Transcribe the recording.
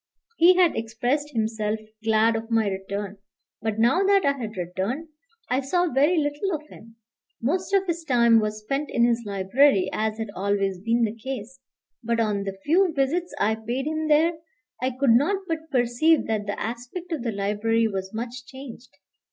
He had expressed himself glad of my return; but now that I had returned, I saw very little of him. Most of his time was spent in his library, as had always been the case. But on the few visits I paid him there, I could not but perceive that the aspect of the library was much changed.